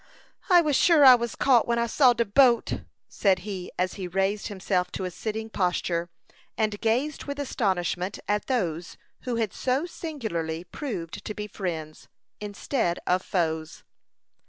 "I was sure I was caught, when I saw de boat," said he, as he raised himself to a sitting posture, and gazed with astonishment at those who had so singularly proved to be friends, instead of foes.